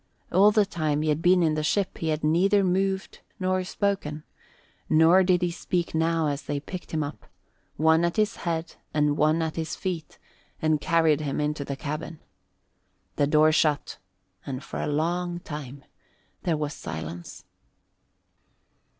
All the time he had been in the ship he had neither moved nor spoken, nor did he speak now as they picked him up, one at his head and one at his feet, and carried him into the cabin. The door shut and for a long time there was silence.